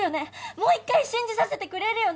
もう１回信じさせてくれるよね？